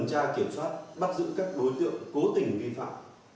đã bắt giữ các đối tượng cố tình vi phạm